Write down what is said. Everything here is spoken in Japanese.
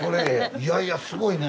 いやいやすごいね。